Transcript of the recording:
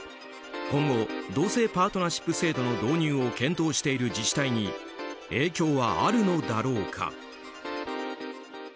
今後同性パートナーシップ制度の導入を検討している自治体に影響はあるのだろうか。